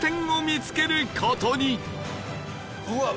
うわっ！